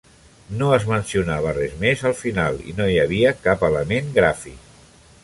No es mencionava res més al final i no havia cap element gràfic.